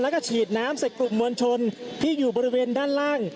แล้วก็ฉีดน้ำใส่กลุ่มมวลชนที่อยู่บริเวณด้านล่าง